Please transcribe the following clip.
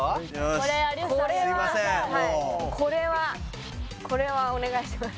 もうこれははいこれはこれはお願いします